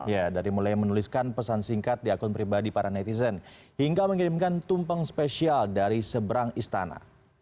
ya dari mulai menuliskan pesan singkat di akun pribadi para netizen hingga mengirimkan tumpeng spesial dari seberang istana